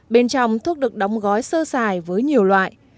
bên trong thuốc được đóng gói sơ xài với nhiều loại